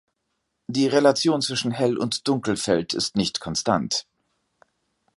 Die Relation zwischen Hell- und Dunkelfeld ist nicht konstant.